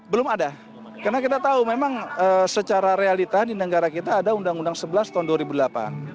belum ada karena kita tahu memang secara realita di negara kita ada undang undang sebelas tahun dua ribu delapan